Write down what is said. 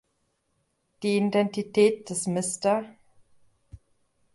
Die Identität des „Mr.